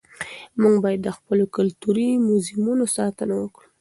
موږ باید د خپلو کلتوري موزیمونو ساتنه وکړو.